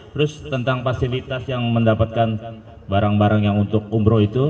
terus tentang fasilitas yang mendapatkan barang barang yang untuk umroh itu